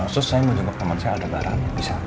sus saya mau jemput teman saya ada barang bisa